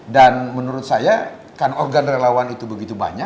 dan menurut saya kan organ relawan itu begitu banyak